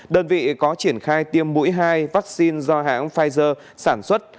đơn vị có triển khai tiêm mũi hai vaccine do hãng pfizer sản xuất